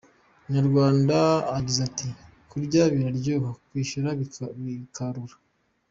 Umunyarwanda yagize ati “Kurya biraryoha, kwishyura bikarura.